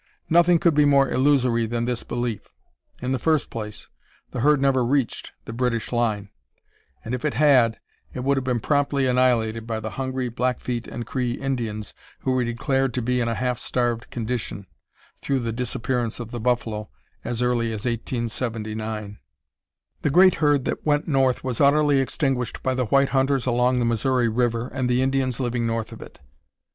Nothing could be more illusory than this belief. In the first place, the herd never reached the British line, and, if it had, it would have been promptly annihilated by the hungry Blackfeet and Cree Indians, who were declared to be in a half starved condition, through the disappearance of the buffalo, as early as 1879. The great herd that "went north" was utterly extinguished by the white hunters along the Missouri River and the Indians living north of it.